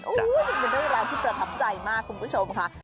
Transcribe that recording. เห็นกันได้ราวที่ประทับใจมากคุณผู้ชมค่ะ